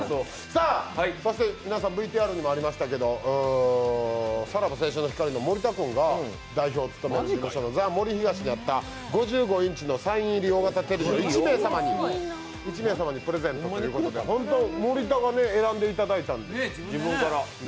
さあ、そして皆さん、ＶＴＲにもありましたけど、さらば青春の光の森田君が代表を務める事務所のザ・森東にあった５５インチのテレビ１名様にプレゼントということで、ホント、森田が選んでいただいたんです、自分から。